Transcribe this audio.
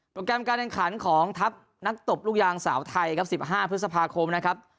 แกรมการแข่งขันของทัพนักตบลูกยางสาวไทยครับ๑๕พฤษภาคมนะครับ